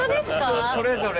人それぞれ？